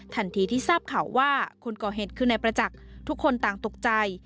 ทันทีที่ทราบข่าวว่าคนก่อเหตุคือนายประจักษ์ทุกคนต่างตกใจ